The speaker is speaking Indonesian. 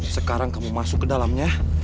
sekarang kamu masuk kedalamnya